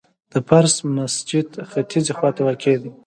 د فرش مسجد ختیځي خواته واقع دی.